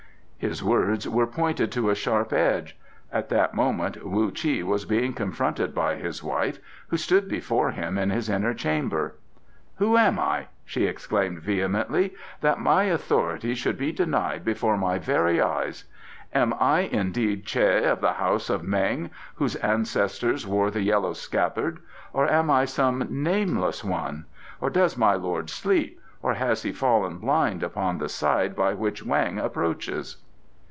His words were pointed to a sharp edge. At that moment Wu Chi was being confronted by his wife, who stood before him in his inner chamber. "Who am I?" she exclaimed vehemently, "that my authority should be denied before my very eyes? Am I indeed Che of the house of Meng, whose ancestors wore the Yellow Scabbard, or am I some nameless one? Or does my lord sleep, or has he fallen blind upon the side by which Weng approaches?"